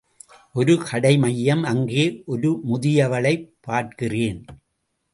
ஒரு கடை மையம் அங்கே ஒரு முதியவளைப் பார்க்கிறேன்.